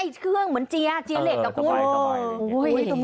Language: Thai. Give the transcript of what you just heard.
มันต้องใช้เครื่องเหมือนเจี๊ยเจี๊ยเหล็กนะคุณ